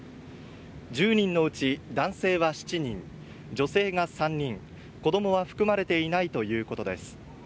１０人のうち男性は７人、女性が３人、子供は含まれていないということです。